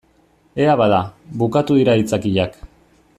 Ea bada, bukatu dira aitzakiak.